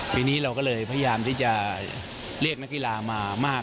ปีนี้เราก็เลยพยายามที่จะเรียกนักกีฬามามาก